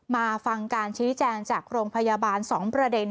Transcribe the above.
มาฟังการชี้แจงจากโรงพยาบาล๒ประเด็น